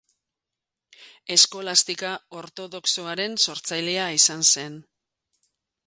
Eskolastika ortodoxoaren sortzailea izan zen.